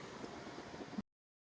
lalu rahmat junaidi lombok barat